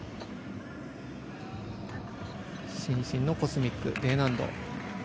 伸身のコスミックＡ難度。